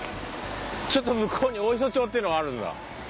ちょっと向こうに大磯町っていうのがあるんだ。